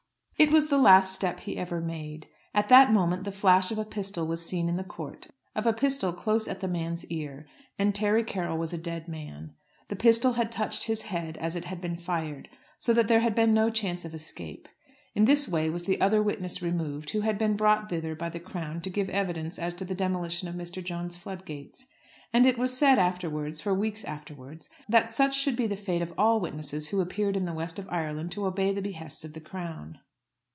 It was the last step he ever made. At that moment the flash of a pistol was seen in the court; of a pistol close at the man's ear, and Terry Carroll was a dead man. The pistol had touched his head as it had been fired, so that there had been no chance of escape. In this way was the other witness removed, who had been brought thither by the Crown to give evidence as to the demolition of Mr. Jones's flood gates. And it was said afterwards, for weeks afterwards, that such should be the fate of all witnesses who appeared in the west of Ireland to obey the behests of the Crown.